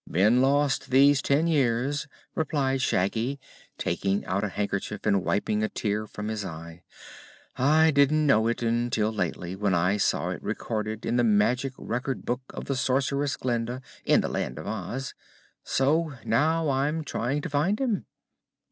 "Been lost these ten years," replied Shaggy, taking out a handkerchief and wiping a tear from his eye. "I didn't know it until lately, when I saw it recorded in the magic Record Book of the Sorceress Glinda, in the Land of Oz. So now I'm trying to find him."